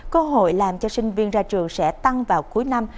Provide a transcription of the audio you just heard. cơ hội làm cho sinh viên ra trường sẽ tăng vào cuối năm